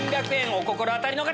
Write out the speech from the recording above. お心当たりの方！